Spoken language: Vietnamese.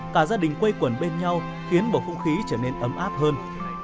cả gia đình quây quần bên nhau khiến bầu không khí trở nên ấm áp hơn